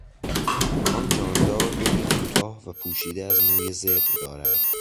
آن جاندار دمی کوتاه و پوشیده از موی زبر دارد.